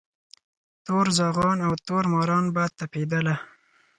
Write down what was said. تور زاغان او تور ماران به تپېدله